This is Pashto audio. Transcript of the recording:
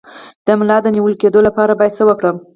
د ملا د نیول کیدو لپاره باید څه وکړم؟